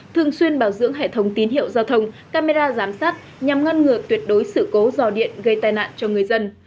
thường xuyên bảo dưỡng hệ thống tín hiệu giao thông camera giám sát nhằm ngăn ngừa tuyệt đối sự cố dò điện gây tai nạn cho người dân